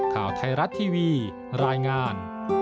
ข่าวไทยรัฐทีวีรายงาน